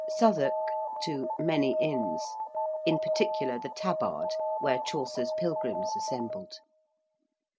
~Southwark ... many Inns~: in particular the Tabard, where Chaucer's pilgrims assembled.